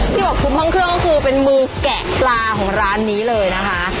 บอกคุ้มห้องเครื่องก็คือเป็นมือแกะปลาของร้านนี้เลยนะคะ